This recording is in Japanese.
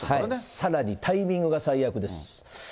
さらに、タイミングが最悪です。